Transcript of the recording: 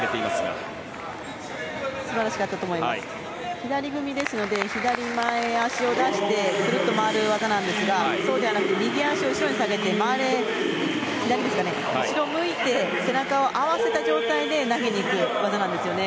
左組みですので左前足を出してくるっと回る技なんですがそうではなくて右足を後ろに下げて後ろを向いて背中を合わせた状態で投げにいく技なんですよね。